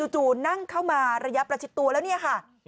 นั่งเข้ามาระยะประชิดตัวแล้วเนี่ยค่ะ